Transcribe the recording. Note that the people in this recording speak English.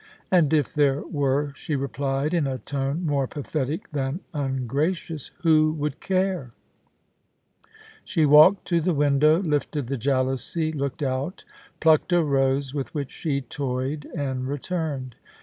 * And if there were,' she replied, in a tone more pathetic than ungracious, * who would care ?' She walked to the window, lifted the jalousie, looked out, plucked a rose with which she toyed, and returned.